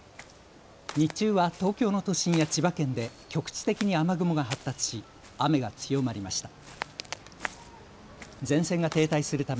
日中は東京の都心や千葉県で局地的に雨雲が発達し雨が強まりました。